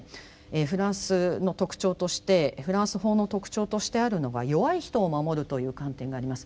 フランスの特徴としてフランス法の特徴としてあるのが弱い人を守るという観点があります。